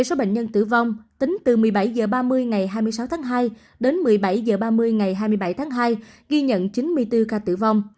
số bệnh nhân tử vong tính từ một mươi bảy h ba mươi ngày hai mươi sáu tháng hai đến một mươi bảy h ba mươi ngày hai mươi bảy tháng hai ghi nhận chín mươi bốn ca tử vong